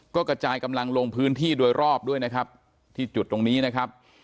ก็กระจายกำลังลงพื้นที่โดยรอบด้วยนะครับที่จุดตรงนี้นะครับ